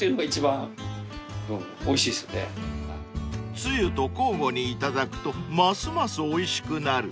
［つゆと交互に頂くとますますおいしくなる］